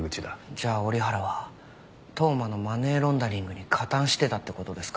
じゃあ折原は当麻のマネーロンダリングに加担してたって事ですか？